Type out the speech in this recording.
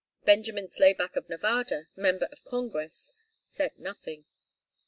Benjamin Slayback of Nevada, Member of Congress, said nothing.